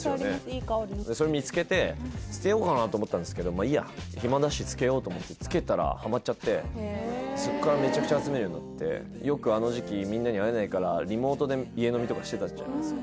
いい香りのそれ見つけて捨てようかなと思ったんですけどまあいいや暇だしつけようと思ってそこからめちゃくちゃ集めるようになってよくあの時期みんなに会えないからリモートで家飲みとかしてたじゃないですか